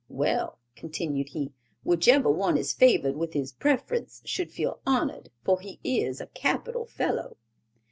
"Well," continued he, "whichever one is favored with his preference should feel honored, for he is a capital fellow."